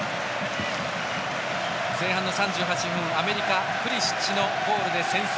前半の３８分、アメリカプリシッチのゴールで先制。